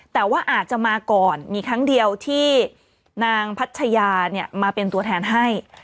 แต่ว่าอาจจะมาก่อนมีครั้งเดียวที่นางพัชยามาเป็นตัวแทนให้